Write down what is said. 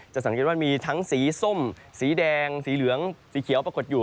สังเกตว่ามีทั้งสีส้มสีแดงสีเหลืองสีเขียวปรากฏอยู่